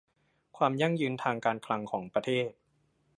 ความยั่งยืนทางการคลังของประเทศ